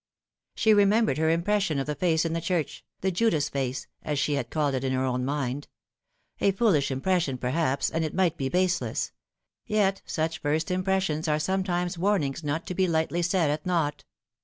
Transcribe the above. She remembered her impression of the face in the church, the Judas face, as she had called it in her own mind: a f oolish impression, perhaps, and it might be baseless ; yet such first impressions are sometimes warnings not to be lightly set at naught.